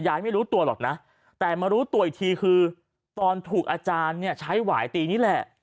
ไม่รู้ตัวหรอกนะแต่มารู้ตัวอีกทีคือตอนถูกอาจารย์เนี่ยใช้หวายตีนี่แหละ